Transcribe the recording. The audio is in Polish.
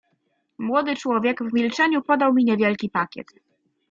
"Młody człowiek w milczeniu podał mi niewielki pakiet."